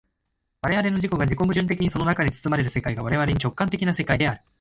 我々の自己が自己矛盾的にその中に包まれる世界が我々に直観的な世界である。